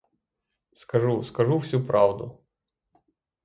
Скажу, скажу всю правду.